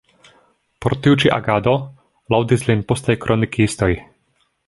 Por tiu ĉi agado laŭdis lin postaj kronikistoj.